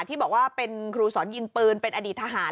ที่บอกว่าเป็นครูสอนยิงปืนเป็นอดีตทหาร